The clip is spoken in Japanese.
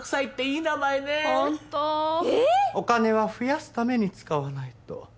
お金は増やすために使わないと。